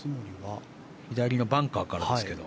左のバンカーからですけど。